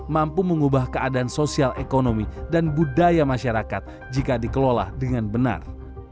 mampu mengubah keadaan sosial ekonomi dan budaya masyarakat jika dikelola dengan benar